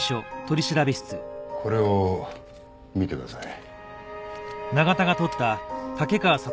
これを見てください。